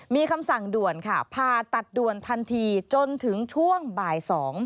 มีคำสั่งด่วนค่ะผ่าตัดด่วนทันทีจนถึงช่วงบ่าย๒